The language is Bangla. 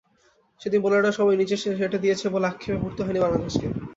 সেদিন বোলাররা সবাই নিজেদের সেরাটা দিয়েছিল বলে আক্ষেপে পুড়তে হয়নি বাংলাদেশকে।